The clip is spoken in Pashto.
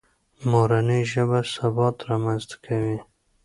مورنۍ ژبه ثبات رامنځته کوي.